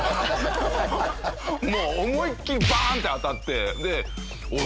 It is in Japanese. もう思いっきり「バーン！」って当たっておい